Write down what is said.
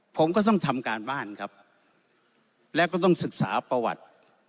ผมก็ต้องทำการบ้านครับแล้วก็ต้องศึกษาประวัติ